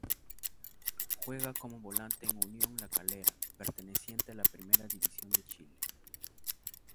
Juega como volante en Unión La Calera, perteneciente a la Primera División de Chile.